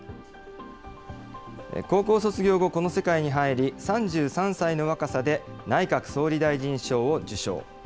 高校卒業後、この世界に入り、３３歳の若さで内閣総理大臣賞を受賞。